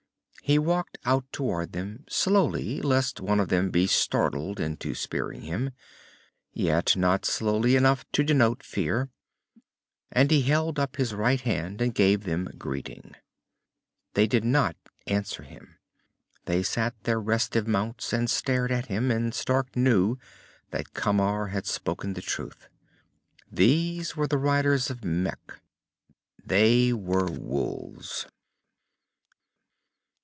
He walked out toward them, slowly lest one of them be startled into spearing him, yet not slowly enough to denote fear. And he held up his right hand and gave them greeting. They did not answer him. They sat their restive mounts and stared at him, and Stark knew that Camar had spoken the truth. These were the riders of Mekh, and they were wolves.